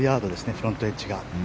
フロントエッジが。